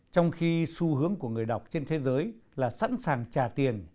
trong khi xu hướng của người đọc trên thế giới là sẵn sàng trả tiền